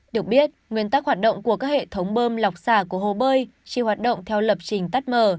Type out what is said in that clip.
được biết nguyên tắc hoạt động của các hệ thống bơm lọc xả của hồ bơi chỉ hoạt động theo lập trình tắt mờ